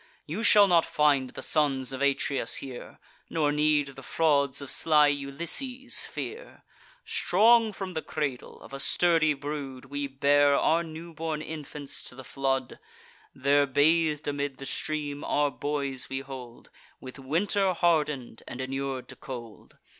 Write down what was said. You shall not find the sons of Atreus here, Nor need the frauds of sly Ulysses fear. Strong from the cradle, of a sturdy brood, We bear our newborn infants to the flood; There bath'd amid the stream, our boys we hold, With winter harden'd, and inur'd to cold.